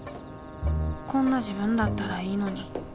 こんな自分だったらいいのに。